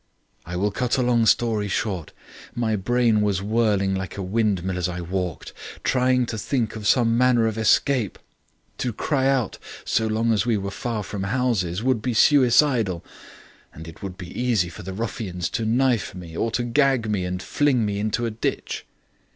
"I will cut a long story short. My brain was whirling like a windmill as I walked, trying to think of some manner of escape. To cry out, so long as we were far from houses, would be suicidal, for it would be easy for the ruffians to knife me or to gag me and fling me into a ditch.